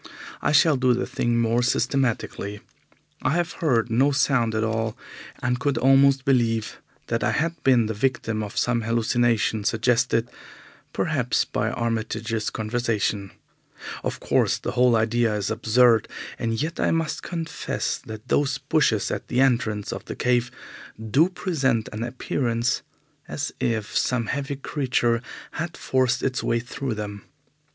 I shall do the thing more systematically. I have heard no sound at all, and could almost believe that I had been the victim of some hallucination suggested, perhaps, by Armitage's conversation. Of course, the whole idea is absurd, and yet I must confess that those bushes at the entrance of the cave do present an appearance as if some heavy creature had forced its way through them.